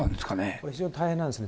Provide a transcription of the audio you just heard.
これ非常に大変なんですね。